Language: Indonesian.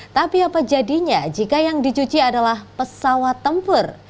tapi apa jadinya jika yang dicuci adalah pesawat tempur